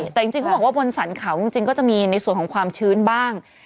แต่จริงเขาบอกว่าบนสรรเขาจริงก็จะมีในส่วนของความชื้นบ้าง